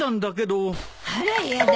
あらやだ